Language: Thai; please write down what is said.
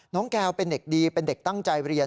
แก้วเป็นเด็กดีเป็นเด็กตั้งใจเรียน